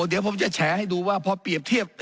เดี๋ยวผมจะแฉให้ดูว่าพอเปรียบเทียบ